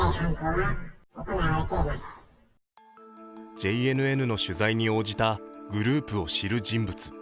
ＪＮＮの取材に応じたグループを知る人物。